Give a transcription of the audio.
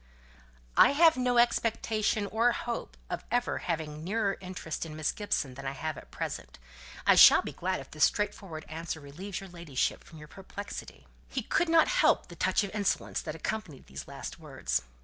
"I have no expectation or hope of ever having a nearer interest in Miss Gibson than I have at present. I shall be glad if this straightforward answer relieves your ladyship from your perplexity." He could not help the touch of insolence that accompanied these last words.